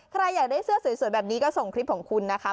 ใครอยากได้เสื้อสวยแบบนี้ก็ส่งคลิปของคุณนะคะ